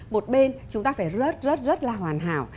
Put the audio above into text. một bên chúng ta phải rớt rất rất là hoàn hảo